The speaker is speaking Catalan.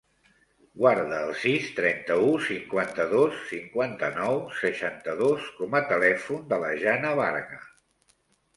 Guarda el sis, trenta-u, cinquanta-dos, cinquanta-nou, seixanta-dos com a telèfon de la Jana Varga.